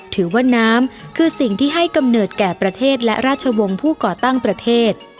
ถือว่าน้ำคือสิ่งที่ให้กำเนิดแก่ประเทศและราชวงศ์ผู้ก่อตั้งประเทศ